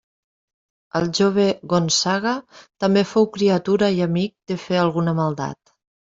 El jove Gonçaga també fou criatura i amic de fer alguna maldat.